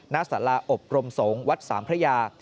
ณสาราอบรมสงฆ์วัดสามพระยา